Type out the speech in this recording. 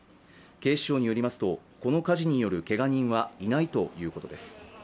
警視庁によりますとこの火事によるけが人はいないということです。